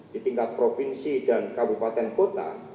di tingkat provinsi dan kabupaten kota